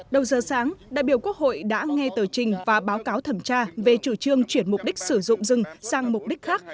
đầu giờ sáng đại biểu quốc hội đã nghe tờ trình và báo cáo thẩm tra về chủ trương chuyển mục đích sử dụng rừng sang mục đích khác